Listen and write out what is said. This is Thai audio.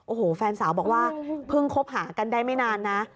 โอ้โหแฟนสาวบอกว่าเพิ่งคบหากันได้ไม่นานนะ